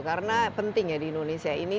karena penting ya di indonesia ini